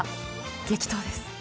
激闘です。